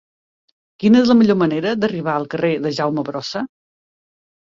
Quina és la millor manera d'arribar al carrer de Jaume Brossa?